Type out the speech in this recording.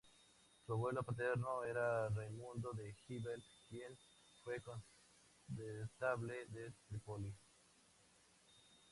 Su abuelo paterno era Raimundo de Gibelet, quien fue condestable de Trípoli.